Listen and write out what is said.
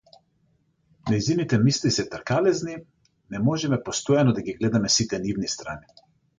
Нејзините мисли се тркалезни, не можеме постојано да ги гледаме сите нивни страни.